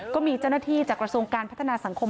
ก็มีเจ้าหน้าที่จากกระทรวงการพัฒนาสังคม